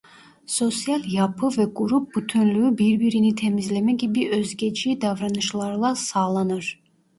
Sosyal yapı ve grup bütünlüğü birbirini temizleme gibi özgeci davranışlarla sağlanır.